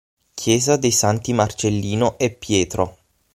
Chiesa dei Santi Marcellino e Pietro